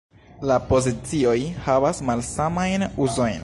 La pozicioj havas malsamajn uzojn.